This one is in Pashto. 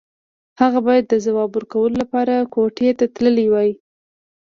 هغه بايد د ځواب ورکولو لپاره کوټې ته تللی وای.